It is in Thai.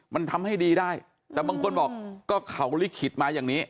มันทำให้ดีได้แต่บางคนบอกก็เขาลิขิตมาอย่างนี้